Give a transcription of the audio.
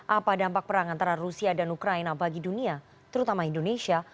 apa dampak perang antara rusia dan ukraina bagi dunia terutama indonesia